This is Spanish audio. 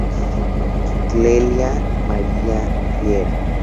Clelia Maria Riera.